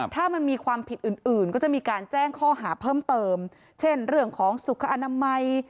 ถ้ามันมีความผิดอื่นก็จะมีการแจ้งข้อหาเพิ่มเติมเช่นเรื่องของสุขอนามัย